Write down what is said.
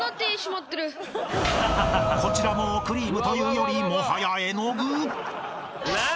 ［こちらもクリームというよりもはや絵の具］